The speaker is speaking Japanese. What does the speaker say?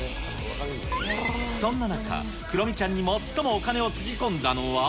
そんな中、クロミちゃんに最もお金をつぎ込んだのは。